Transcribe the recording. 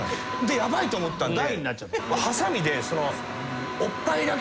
ヤバいと思ったんで。